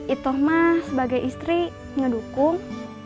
itu mah sebagai istri ngedukung